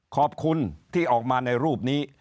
ขอบคุณที่ออกมาในรูปนี้